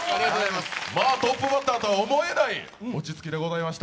トップバッターとは思えない落ち着きでございました。